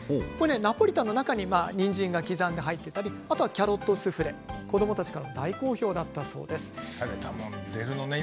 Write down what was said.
ナポリタンの中にはにんじんが刻んで入っていたりキャロットスフレ子どもたちから大好評だったそうです。